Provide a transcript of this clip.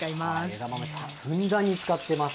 枝豆、ふんだんに使ってます。